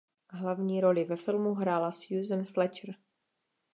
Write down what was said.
Hlavní roli ve filmu hrála Suzanne Fletcher.